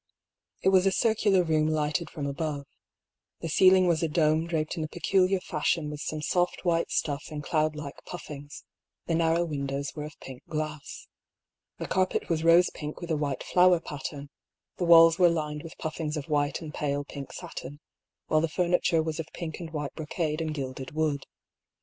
It was a circular room lighted from above. The ceiling was a dome draped in a peculiar fashion with some soft white stuff in cloud like puiBfings ; the narrow windows were of pink glass. The carpet was rose pink with a white flower pattern, the walls were lined with puffings of white and pale pink satin, while the furni ture was of pink and white brocade and gilded wood.